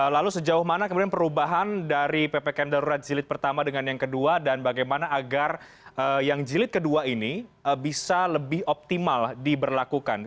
lalu sejauh mana kemudian perubahan dari ppkm darurat jilid pertama dengan yang kedua dan bagaimana agar yang jilid kedua ini bisa lebih optimal diberlakukan